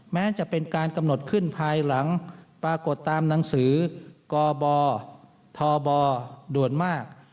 แม้จะเป็นการกำหนดขึ้นภายหลังปรากฏตามหนังสือกบทบด่วนมาก